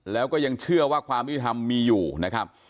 แล้วก็ยังเชื่อว่าความยุติธรรมมีอยู่นะครับ